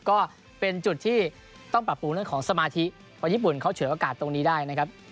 ก็เป็นจุดที่ต้องปรับปรุงเรื่องของสมาธิเพราะญี่ปุ่นเขาเฉยโอกาสตรงนี้ได้นะครับ